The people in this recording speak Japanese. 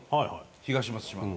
東松島の。